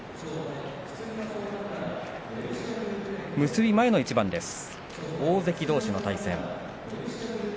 結び前の一番大関どうしの対戦です。